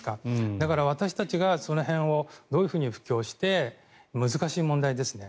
だから私たちがその辺をどう布教して難しい問題ですね。